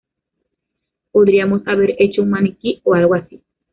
Podríamos haber hecho un maniquí o algo así.